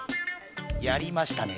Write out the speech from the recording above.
やりましたね？